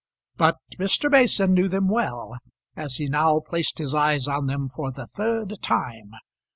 But Mr. Mason knew them well, as he now placed his eyes on them for the third time.